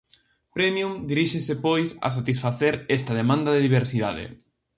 Premium diríxese pois a satisfacer esta demanda de diversidade.